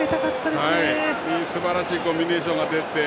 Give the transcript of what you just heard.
すばらしいコンビネーションが出て。